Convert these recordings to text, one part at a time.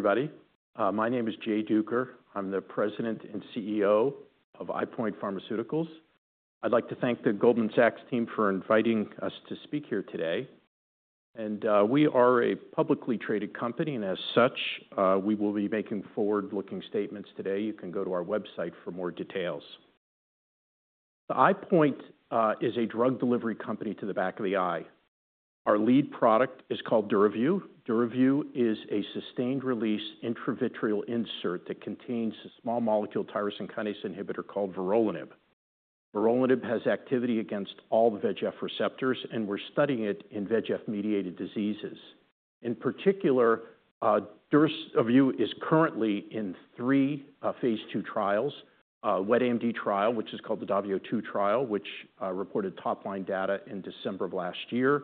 Hello, everybody. My name is Jay Duker. I'm the President and CEO of EyePoint Pharmaceuticals. I'd like to thank the Goldman Sachs team for inviting us to speak here today. We are a publicly traded company, and as such, we will be making forward-looking statements today. You can go to our website for more details. EyePoint is a drug delivery company to the back of the eye. Our lead product is called DURAVYU. DURAVYU is a sustained-release intravitreal insert that contains a small molecule tyrosine kinase inhibitor called Vorolanib. Vorolanib has activity against all the VEGF receptors, and we're studying it in VEGF-mediated diseases. In particular, DURAVYU is currently in three phase two trials: a wet AMD trial, which is called the DAVIO 2 trial, which reported top-line data in December of last year.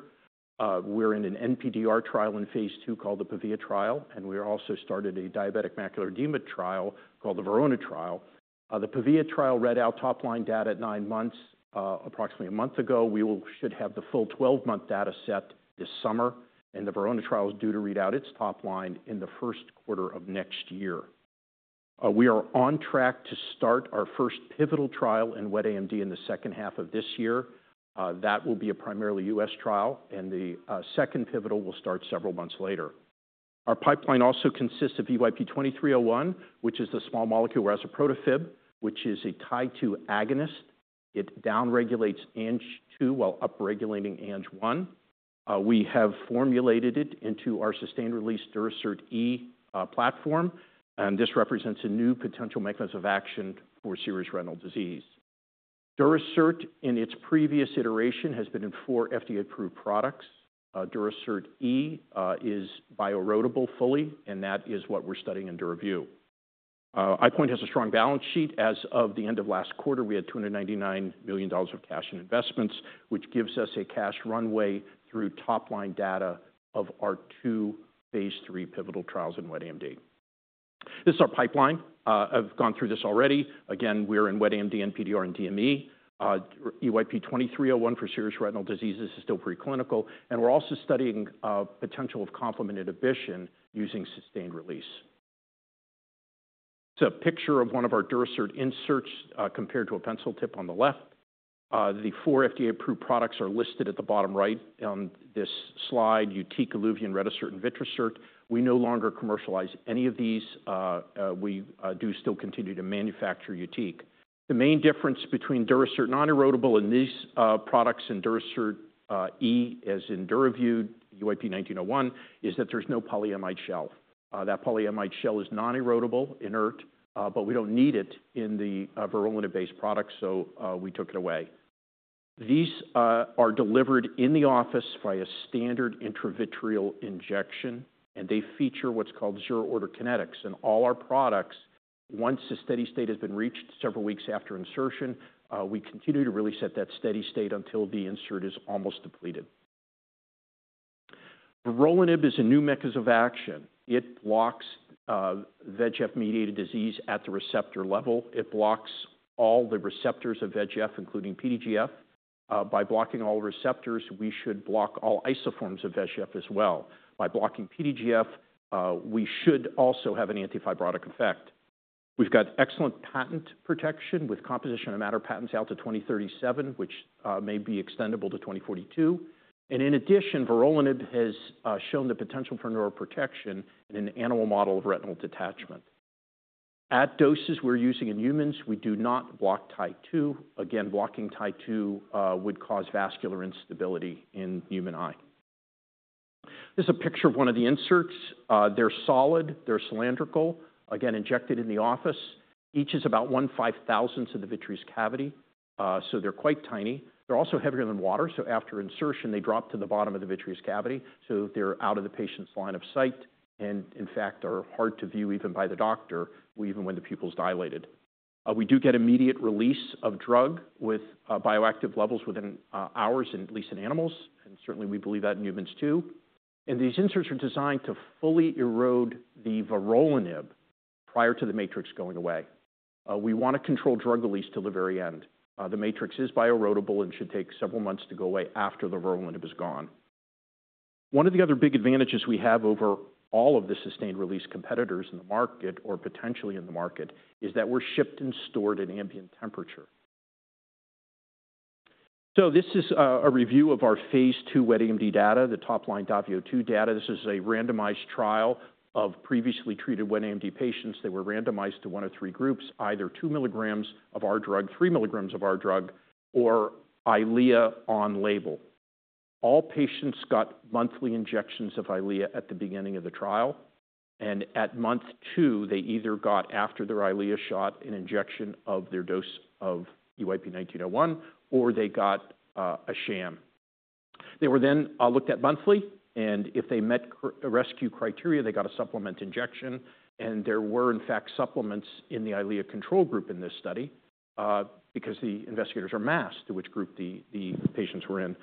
We're in an NPDR trial in phase 2 called the PAVIA trial, and we also started a diabetic macular edema trial called the VERONA trial. The PAVIA trial read out top-line data at nine months. Approximately a month ago, we should have the full 12-month data set this summer, and the VERONA trial is due to read out its top line in the first quarter of next year. We are on track to start our first pivotal trial in wet AMD in the second half of this year. That will be a primarily U.S. trial, and the second pivotal will start several months later. Our pipeline also consists of EYP-2301, which is the small molecule razuprotafib, which is a Tie-2 agonist. It downregulates Ang-2 while upregulating Ang-1. We have formulated it into our sustained-release Durasert E platform, and this represents a new potential mechanism of action for serious retinal disease. Durasert, in its previous iteration, has been in 4 FDA-approved products. Durasert E is bioerodible fully, and that is what we're studying in DURAVYU. EyePoint has a strong balance sheet. As of the end of last quarter, we had $299 million of cash and investments, which gives us a cash runway through top-line data of our 2 phase 3 pivotal trials in wet AMD. This is our pipeline. I've gone through this already. Again, we're in wet AMD, NPDR, and DME. EYP-2301 for serious retinal diseases is still preclinical, and we're also studying the potential of complement inhibition using sustained-release. It's a picture of one of our Durasert inserts compared to a pencil tip on the left. The 4 FDA-approved products are listed at the bottom right on this slide: YUTIQ, ILUVIEN, RETISERT, and VITRASERT. We no longer commercialize any of these. We do still continue to manufacture YUTIQ. The main difference between Durasert non-erodible and these products and Durasert E, as in DURAVYU, EYP-1901, is that there's no polyamide shell. That polyamide shell is non-erodible, inert, but we don't need it in the vorolanib-based products, so we took it away. These are delivered in the office via standard intravitreal injection, and they feature what's called zero-order kinetics. In all our products, once the steady state has been reached several weeks after insertion, we continue to really set that steady state until the insert is almost depleted. Vorolanib is a new mechanism of action. It blocks VEGF-mediated disease at the receptor level. It blocks all the receptors of VEGF, including PDGF. By blocking all receptors, we should block all isoforms of VEGF as well. By blocking PDGF, we should also have an antifibrotic effect. We've got excellent patent protection with composition of matter patents out to 2037, which may be extendable to 2042. In addition, vorolanib has shown the potential for neuroprotection in an animal model of retinal detachment. At doses we're using in humans, we do not block Tie-2. Again, blocking Tie-2 would cause vascular instability in the human eye. This is a picture of one of the inserts. They're solid. They're cylindrical. Again, injected in the office. Each is about 1/5,000th of the vitreous cavity, so they're quite tiny. They're also heavier than water, so after insertion, they drop to the bottom of the vitreous cavity, so they're out of the patient's line of sight and, in fact, are hard to view even by the doctor, even when the pupil's dilated. We do get immediate release of drug with bioactive levels within hours, at least in animals, and certainly we believe that in humans too. These inserts are designed to fully erode the vorolanib prior to the matrix going away. We want to control drug release to the very end. The matrix is bioerodible and should take several months to go away after the vorolanib is gone. One of the other big advantages we have over all of the sustained-release competitors in the market, or potentially in the market, is that we're shipped and stored at ambient temperature. This is a review of our phase 2 wet AMD data, the top-line DAVIO 2 data. This is a randomized trial of previously treated wet AMD patients. They were randomized to one of three groups: either 2 milligrams of our drug, 3 milligrams of our drug, or EYLEA on label. All patients got monthly injections of EYLEA at the beginning of the trial, and at month 2, they either got, after their EYLEA shot, an injection of their dose of EYP-1901, or they got a sham. They were then looked at monthly, and if they met rescue criteria, they got a supplement injection, and there were, in fact, supplements in the EYLEA control group in this study because the investigators are masked, which group the patients were in.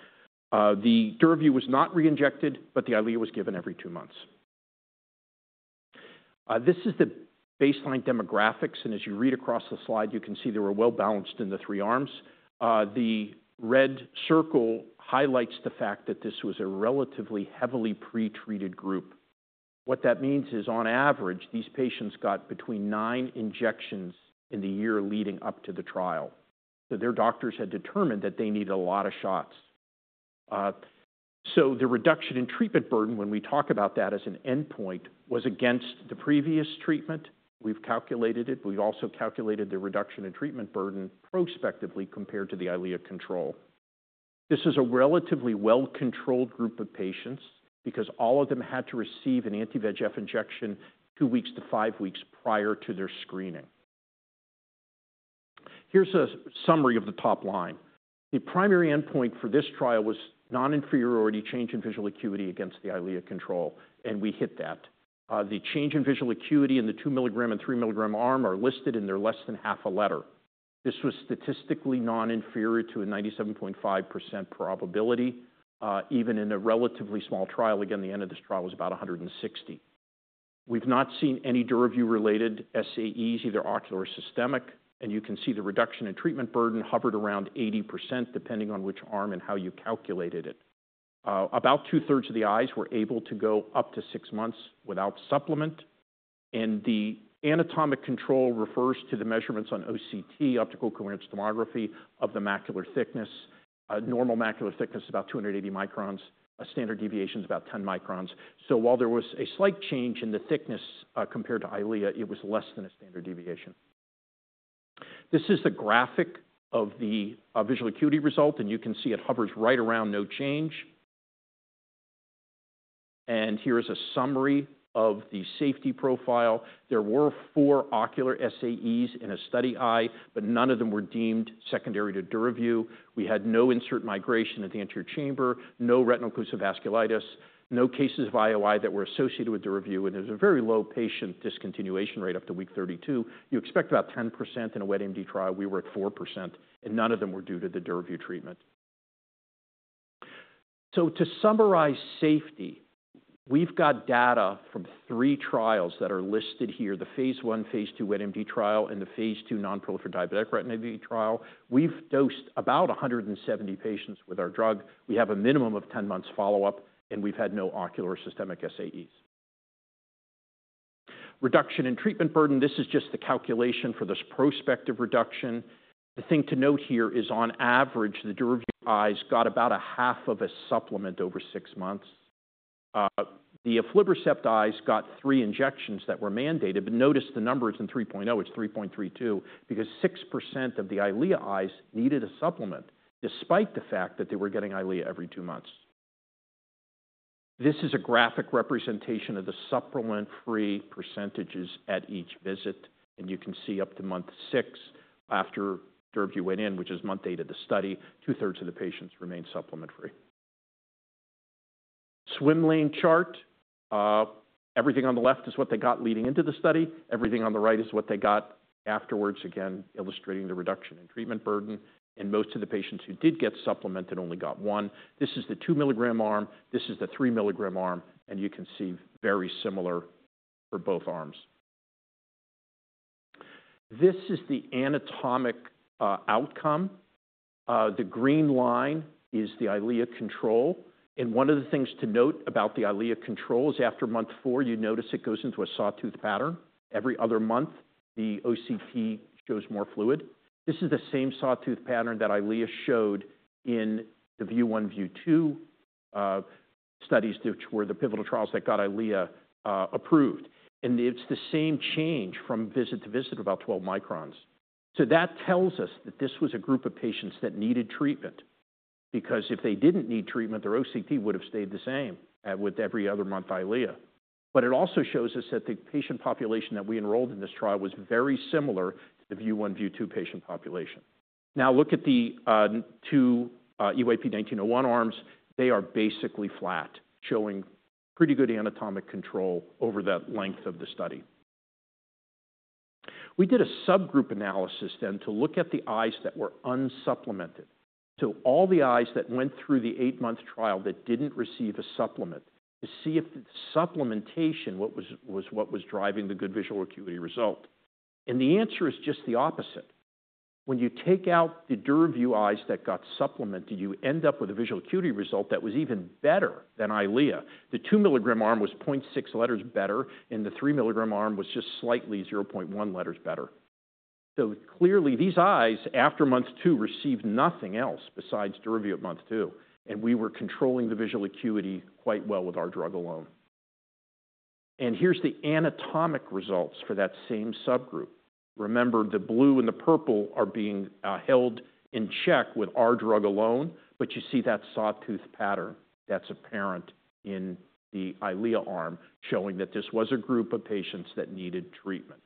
The DURAVYU was not re-injected, but the EYLEA was given every 2 months. This is the baseline demographics, and as you read across the slide, you can see they were well-balanced in the 3 arms. The red circle highlights the fact that this was a relatively heavily pretreated group. What that means is, on average, these patients got between 9 injections in the year leading up to the trial. So their doctors had determined that they needed a lot of shots. So the reduction in treatment burden, when we talk about that as an endpoint, was against the previous treatment. We've calculated it. We've also calculated the reduction in treatment burden prospectively compared to the EYLEA control. This is a relatively well-controlled group of patients because all of them had to receive an anti-VEGF injection 2 weeks to 5 weeks prior to their screening. Here's a summary of the top line. The primary endpoint for this trial was non-inferiority change in visual acuity against the EYLEA control, and we hit that. The change in visual acuity in the 2 milligram and 3 milligram arm are listed in their less than half a letter. This was statistically non-inferior to a 97.5% probability, even in a relatively small trial. Again, the end of this trial was about 160. We've not seen any DURAVYU-related SAEs, either ocular or systemic, and you can see the reduction in treatment burden hovered around 80%, depending on which arm and how you calculated it. About two-thirds of the eyes were able to go up to six months without supplement, and the anatomic control refers to the measurements on OCT, optical coherence tomography, of the macular thickness. Normal macular thickness is about 280 microns. A standard deviation is about 10 microns. So while there was a slight change in the thickness compared to EYLEA, it was less than a standard deviation. This is the graphic of the visual acuity result, and you can see it hovers right around no change. Here is a summary of the safety profile. There were four ocular SAEs in a study eye, but none of them were deemed secondary to DURAVYU. We had no insert migration at the anterior chamber, no retinal oclusive vasculitis, no cases of IOI that were associated with DURAVYU, and there's a very low patient discontinuation rate up to week 32. You expect about 10% in a wet AMD trial. We were at 4%, and none of them were due to the DURAVYU treatment. So to summarize safety, we've got data from 3 trials that are listed here: the phase 1, phase 2 wet AMD trial, and the phase 2 non-proliferative diabetic retinopathy trial. We've dosed about 170 patients with our drug. We have a minimum of 10 months follow-up, and we've had no ocular or systemic SAEs. Reduction in treatment burden, this is just the calculation for this prospective reduction. The thing to note here is, on average, the DURAVYU eyes got about a half of a supplement over 6 months. The aflibercept eyes got three injections that were mandated, but notice the number isn't 3.0. It's 3.32 because 6% of the EYLEA eyes needed a supplement, despite the fact that they were getting EYLEA every two months. This is a graphic representation of the supplement-free percentages at each visit, and you can see up to month 6 after DURAVYU went in, which is month 8 of the study, two-thirds of the patients remained supplement-free. Swimlane chart. Everything on the left is what they got leading into the study. Everything on the right is what they got afterwards, again, illustrating the reduction in treatment burden. Most of the patients who did get supplemented only got one. This is the 2 milligram arm. This is the 3 milligram arm, and you can see very similar for both arms. This is the anatomic outcome. The green line is the EYLEA control. One of the things to note about the Eylea control is, after month four, you notice it goes into a sawtooth pattern. Every other month, the OCT shows more fluid. This is the same sawtooth pattern that Eylea showed in the VIEW 1, VIEW 2 studies, which were the pivotal trials that got Eylea approved. It's the same change from visit to visit of about 12 microns. That tells us that this was a group of patients that needed treatment because if they didn't need treatment, their OCT would have stayed the same with every other month Eylea. It also shows us that the patient population that we enrolled in this trial was very similar to the VIEW 1, VIEW 2 patient population. Now look at the two EYP-1901 arms. They are basically flat, showing pretty good anatomic control over that length of the study. We did a subgroup analysis then to look at the eyes that were unsupplemented. So all the eyes that went through the eight-month trial that didn't receive a supplement, to see if the supplementation was what was driving the good visual acuity result. And the answer is just the opposite. When you take out the DURAVYU eyes that got supplemented, you end up with a visual acuity result that was even better than EYLEA. The 2 milligram arm was 0.6 letters better, and the 3 milligram arm was just slightly 0.1 letters better. So clearly, these eyes, after month two, received nothing else besides DURAVYU at month two, and we were controlling the visual acuity quite well with our drug alone. And here's the anatomic results for that same subgroup. Remember, the blue and the purple are being held in check with our drug alone, but you see that sawtooth pattern that's apparent in the EYLEA arm, showing that this was a group of patients that needed treatment.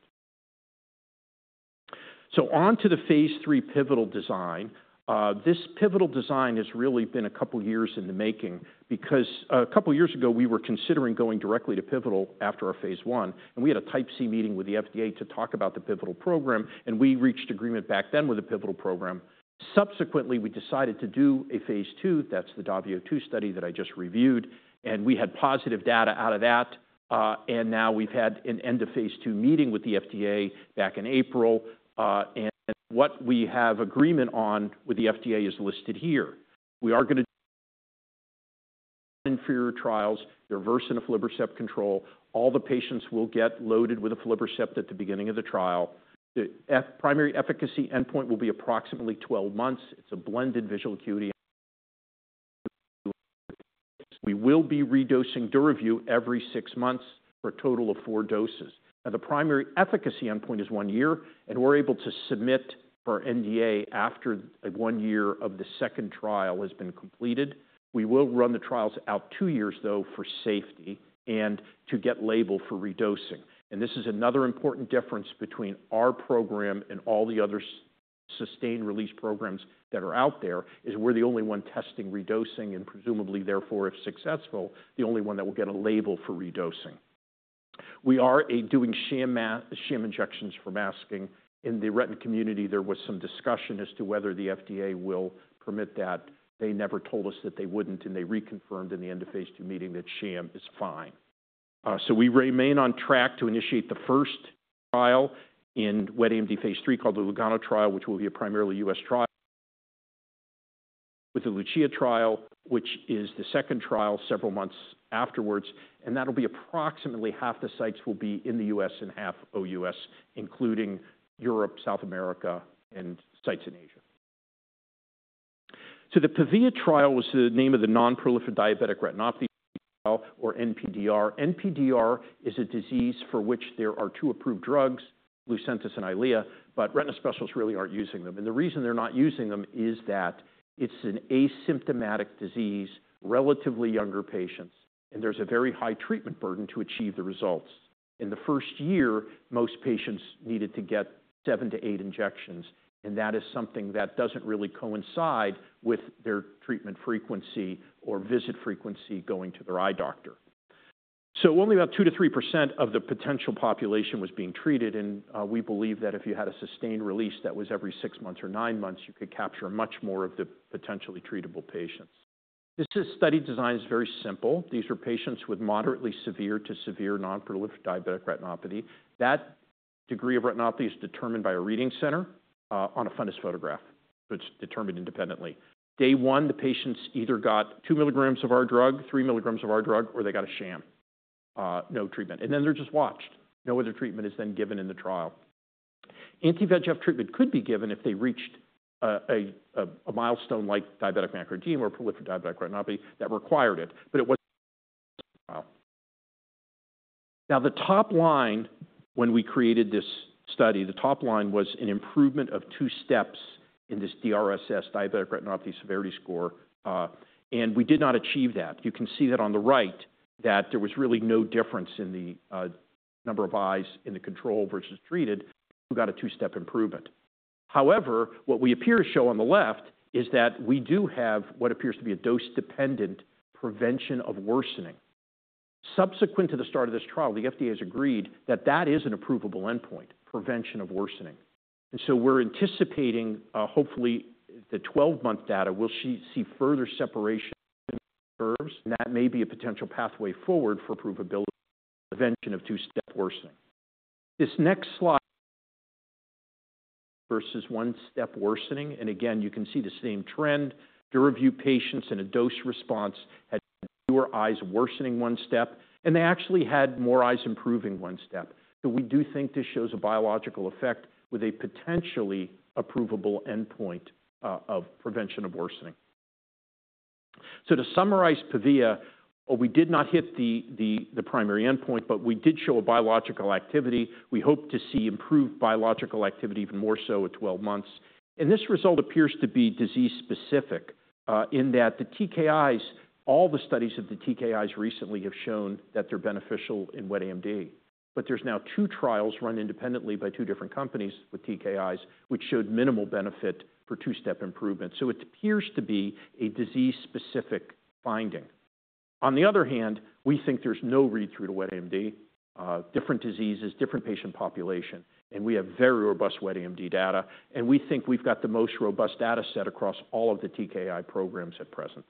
So on to the phase 3 pivotal design. This pivotal design has really been a couple of years in the making because a couple of years ago, we were considering going directly to pivotal after our phase 1, and we had a type C meeting with the FDA to talk about the pivotal program, and we reached agreement back then with the pivotal program. Subsequently, we decided to do a phase 2. That's the DAVIO 2 study that I just reviewed, and we had positive data out of that, and now we've had an end of phase 2 meeting with the FDA back in April, and what we have agreement on with the FDA is listed here. We are going to do non-inferior trials. They're versus aflibercept control. All the patients will get loaded with aflibercept at the beginning of the trial. The primary efficacy endpoint will be approximately 12 months. It's a blended visual acuity. We will be redosing DURAVYU every 6 months for a total of 4 doses. Now, the primary efficacy endpoint is 1 year, and we're able to submit for NDA after 1 year of the second trial has been completed. We will run the trials out 2 years, though, for safety and to get label for redosing. This is another important difference between our program and all the other sustained-release programs that are out there, is we're the only one testing redosing and presumably, therefore, if successful, the only one that will get a label for redosing. We are doing sham injections for masking. In the retina community, there was some discussion as to whether the FDA will permit that. They never told us that they wouldn't, and they reconfirmed in the end of phase 2 meeting that sham is fine. So we remain on track to initiate the first trial in wet AMD phase 3 called the LUGANO trial, which will be a primarily U.S. trial, with the LUCIA trial, which is the second trial several months afterwards, and that'll be approximately half the sites will be in the U.S. and half OUS, including Europe, South America, and sites in Asia. So the PAVIA trial was the name of the non-proliferative diabetic retinopathy trial, or NPDR. NPDR is a disease for which there are two approved drugs, Lucentis and EYLEA, but retina specialists really aren't using them. And the reason they're not using them is that it's an asymptomatic disease, relatively younger patients, and there's a very high treatment burden to achieve the results. In the first year, most patients needed to get 7-8 injections, and that is something that doesn't really coincide with their treatment frequency or visit frequency going to their eye doctor. So only about 2%-3% of the potential population was being treated, and we believe that if you had a sustained release that was every 6 months or 9 months, you could capture much more of the potentially treatable patients. This study design is very simple. These are patients with moderately severe to severe non-proliferative diabetic retinopathy. That degree of retinopathy is determined by a reading center on a fundus photograph, so it's determined independently. Day 1, the patients either got 2 milligrams of our drug, 3 milligrams of our drug, or they got a sham. No treatment. And then they're just watched. No other treatment is then given in the trial. Anti-VEGF treatment could be given if they reached a milestone like diabetic macular edema or proliferative diabetic retinopathy that required it, but it wasn't necessary in this trial. Now, the top line, when we created this study, the top line was an improvement of two steps in this DRSS, diabetic retinopathy severity score, and we did not achieve that. You can see that on the right, that there was really no difference in the number of eyes in the control versus treated who got a two-step improvement. However, what we appear to show on the left is that we do have what appears to be a dose-dependent prevention of worsening. Subsequent to the start of this trial, the FDA has agreed that that is an approvable endpoint, prevention of worsening. And so we're anticipating, hopefully, the 12-month data will see further separation in the curves, and that may be a potential pathway forward for approvability of prevention of two-step worsening. This next slide versus one-step worsening, and again, you can see the same trend. DURAVYU patients in a dose response had fewer eyes worsening one step, and they actually had more eyes improving one step. So we do think this shows a biological effect with a potentially approvable endpoint of prevention of worsening. So to summarize PAVIA, we did not hit the primary endpoint, but we did show a biological activity. We hope to see improved biological activity even more so at 12 months. And this result appears to be disease-specific in that the TKIs, all the studies of the TKIs recently have shown that they're beneficial in wet AMD, but there's now two trials run independently by two different companies with TKIs, which showed minimal benefit for two-step improvement. So it appears to be a disease-specific finding. On the other hand, we think there's no read-through to wet AMD, different diseases, different patient population, and we have very robust wet AMD data, and we think we've got the most robust data set across all of the TKI programs at present.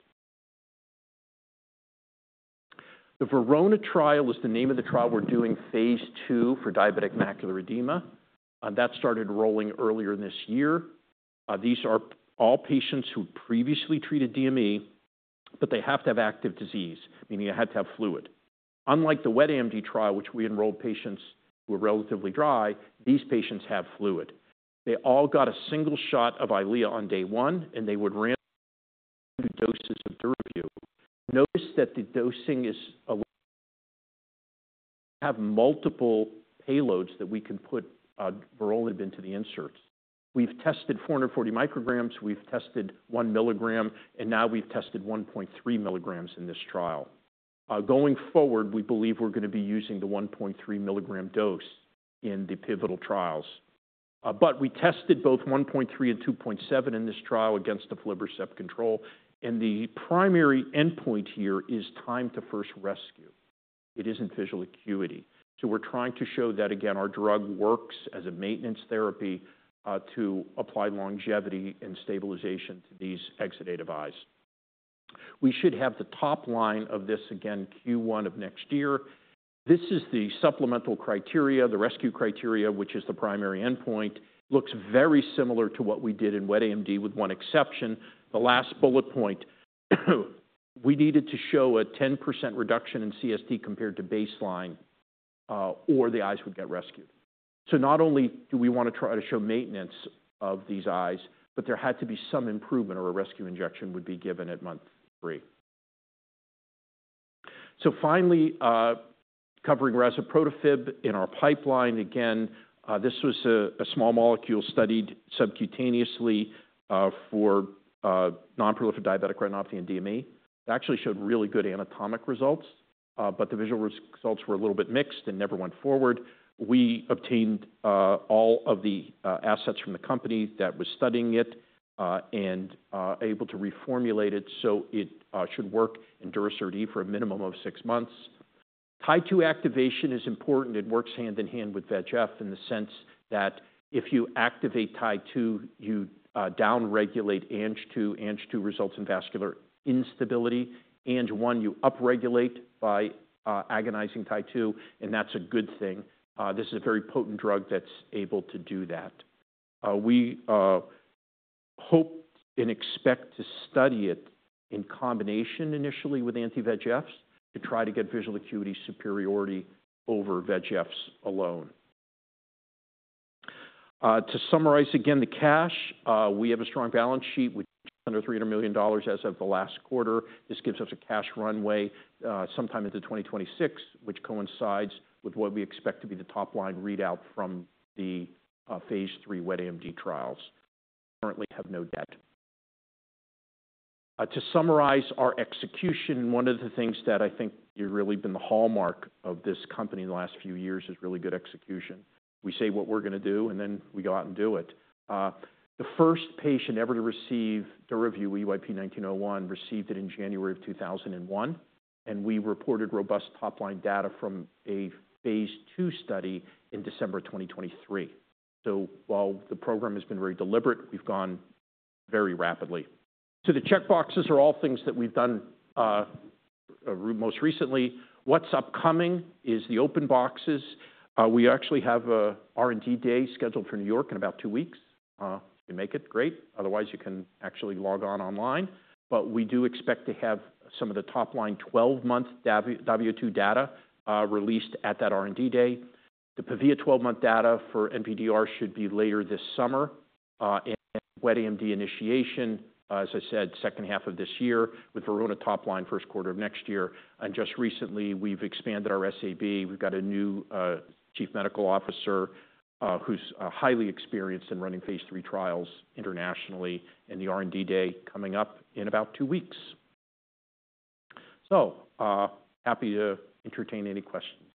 The VERONA trial is the name of the trial we're doing phase 2 for diabetic macular edema, and that started rolling earlier this year. These are all patients who previously treated DME, but they have to have active disease, meaning they had to have fluid. Unlike the wet AMD trial, which we enrolled patients who were relatively dry, these patients have fluid. They all got a single shot of EYLEA on day one, and they would ramp up to doses of DURAVYU. Notice that the dosing is a little bit different. We have multiple payloads that we can put vorolanib into the inserts. We've tested 440 micrograms. We've tested 1 milligram, and now we've tested 1.3 milligrams in this trial. Going forward, we believe we're going to be using the 1.3 milligram dose in the pivotal trials. But we tested both 1.3 and 2.7 in this trial against aflibercept control, and the primary endpoint here is time to first rescue. It isn't visual acuity. So we're trying to show that, again, our drug works as a maintenance therapy to apply longevity and stabilization to these exudative eyes. We should have the top line of this, again, Q1 of next year. This is the supplemental criteria, the rescue criteria, which is the primary endpoint. Looks very similar to what we did in wet AMD with one exception. The last bullet point, we needed to show a 10% reduction in CST compared to baseline, or the eyes would get rescued. So not only do we want to try to show maintenance of these eyes, but there had to be some improvement or a rescue injection would be given at month 3. So finally, covering razuprotafib in our pipeline. Again, this was a small molecule studied subcutaneously for non-proliferative diabetic retinopathy and DME. It actually showed really good anatomic results, but the visual results were a little bit mixed and never went forward. We obtained all of the assets from the company that was studying it and able to reformulate it so it should work in Durasert E for a minimum of six months. Tie-2 activation is important. It works hand in hand with VEGF in the sense that if you activate Tie-2, you downregulate Ang-2. Ang-2 results in vascular instability. Ang-1, you upregulate by agonizing Tie-2, and that's a good thing. This is a very potent drug that's able to do that. We hope and expect to study it in combination initially with anti-VEGFs to try to get visual acuity superiority over VEGFs alone. To summarize again the cash, we have a strong balance sheet with $200 million-$300 million as of the last quarter. This gives us a cash runway sometime into 2026, which coincides with what we expect to be the top line readout from the phase 3 wet AMD trials. Currently, we have no debt. To summarize our execution, one of the things that I think has really been the hallmark of this company in the last few years is really good execution. We say what we're going to do, and then we go out and do it. The first patient ever to receive DURAVYU EYP-1901 received it in January of 2001, and we reported robust top line data from a phase 2 study in December 2023. So while the program has been very deliberate, we've gone very rapidly. So the checkboxes are all things that we've done most recently. What's upcoming is the open boxes. We actually have an R&D day scheduled for New York in about two weeks. If you make it, great. Otherwise, you can actually log on online, but we do expect to have some of the top line 12-month DAVIO 2 data released at that R&D day. The PAVIA 12-month data for NPDR should be later this summer, and wet AMD initiation, as I said, second half of this year with VERONA top line first quarter of next year. And just recently, we've expanded our SAB. We've got a new Chief Medical Officer who's highly experienced in running phase 3 trials internationally, and the R&D day coming up in about two weeks. So happy to entertain any questions that you have.